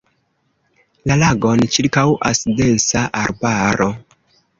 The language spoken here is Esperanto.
La lagon ĉirkaŭas densa arbaro.